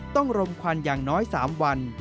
รมควันอย่างน้อย๓วัน